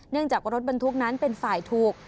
เนื่องจากว่ารถบรรทุกนั้นเป็นฝ่ายถูก